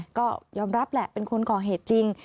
จากหลายจุดไงก็ยอมรับแหละเป็นคนก่อเหตุจริง